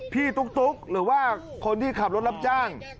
ตุ๊กหรือว่าคนที่ขับรถรับจ้าง